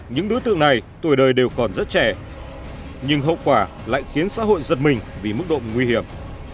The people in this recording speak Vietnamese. những đối tượng này tuổi đời đều còn rất trẻ nhưng hậu quả lại khiến xã hội giật mình vì mức độ nguy hiểm